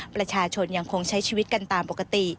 ประชาชนยังคงใช้ชีวิตกันตามปกติ